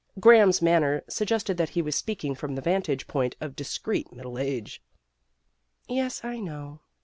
Graham's manner sug gested that he was speaking from the vantage point of discreet middle age. "Yes, I know."